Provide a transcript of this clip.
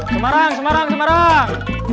semarang semarang semarang